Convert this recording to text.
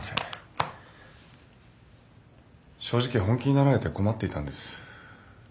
正直本気になられて困っていたんです。